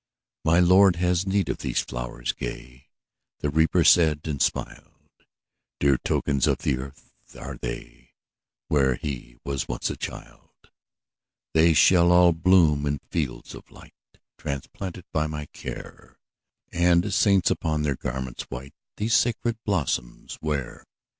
``My Lord has need of these flowerets gay,'' The Reaper said, and smiled; ``Dear tokens of the earth are they, Where he was once a child. ``They shall all bloom in fields of light, Transplanted by my care, And saints, upon their garments white, These sacred blossoms wear.''